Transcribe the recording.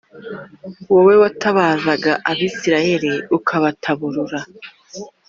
wowe watabazaga Abisirayeli ukabataburura